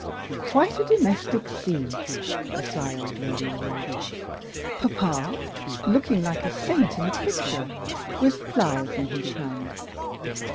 "Quite a domestic scene!" the sly old lady remarked. "Papa, looking like a saint in a picture, with flowers in his hand.